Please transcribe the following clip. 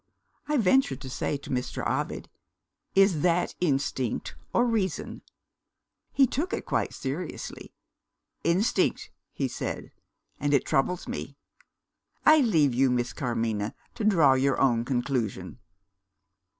I ventured to say to Mr. Ovid, 'Is that instinct or reason?' He took it quite seriously. 'Instinct,' he said 'and it troubles me.' I leave you, Miss Carmina, to draw your own conclusion."